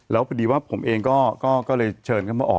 แล้วพอดีว่าผมเองก็เลยเชิญเข้ามาออก